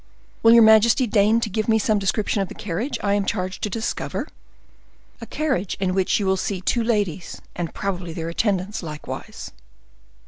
"Will your majesty deign to give me some description of the carriage I am charged to discover?" "A carriage in which you will see two ladies, and probably their attendants likewise."